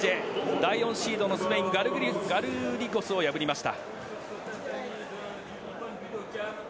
第４シードのスペインガルリゴスを破りました。